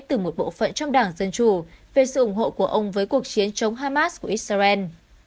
từ một bộ phận trong đảng dân chủ về sự ủng hộ của ông với cuộc chiến chống hamas của israel